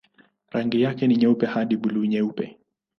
Rangi yake ni nyeupe hadi buluu-nyeupe.